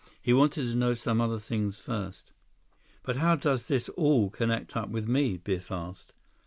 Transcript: He wanted to know some other things first. "But how does this all connect up with me?" Biff asked.